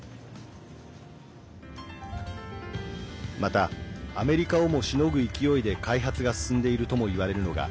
また、アメリカをもしのぐ勢いで開発が進んでいるともいわれるのが